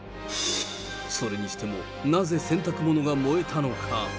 それにしても、なぜ洗濯物が燃えたのか。